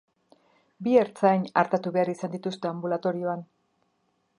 Bi ertzain artatu behar izan dituzte anbulatorioan.